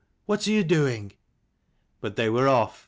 what are you doing?" But they were off.